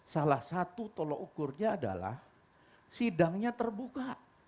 salah satu tolok ukurnya adalah sidangnya terbuka